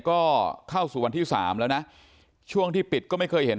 ก็เข้าสู่วันที่สามแล้วนะช่วงที่ปิดก็ไม่เคยเห็น